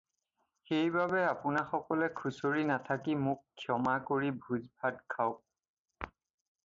সেইবাবে আপোনাসকলে খুকুৰি নাৰাখি মোক ক্ষমা কৰি ভোজ-ভাত খাওক।